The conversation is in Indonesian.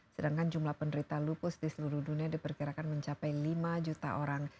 sedangkan jumlah penderita lupus di seluruh dunia diperkirakan mencapai lima juta orang